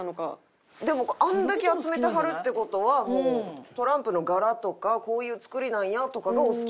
でもあんだけ集めてはるって事はもうトランプの柄とか「こういう作りなんや」とかがお好きなんじゃないの？